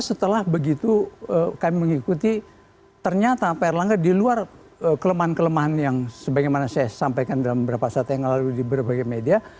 setelah begitu kami mengikuti ternyata pak erlangga di luar kelemahan kelemahan yang sebagaimana saya sampaikan dalam beberapa saat yang lalu di berbagai media